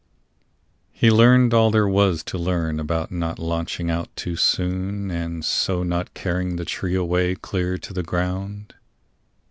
He learned all there was To learn about not launching out too soon And so not carrying the tree away Clear to the ground.